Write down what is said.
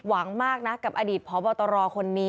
และความสุขของคุณค่ะ